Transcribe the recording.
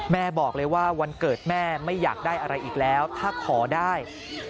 แม่บอกเลยว่าวันเกิดแม่ไม่อยากได้อะไรอีกแล้วถ้าขอได้